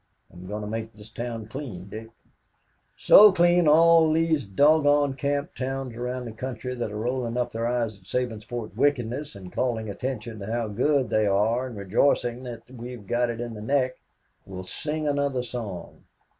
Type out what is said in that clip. I'm goin' to make this town clean, Dick, so clean all these doggone camp towns around the country that are rolling up their eyes at Sabinsport's wickedness and calling attention to how good they are and rejoicing that we've got it in the neck, will sing another song.